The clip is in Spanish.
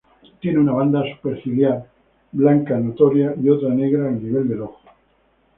Tiene una banda superciliar blanca notoria, y otra negra al nivel del ojo.